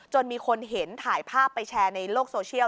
มีคนเห็นถ่ายภาพไปแชร์ในโลกโซเชียล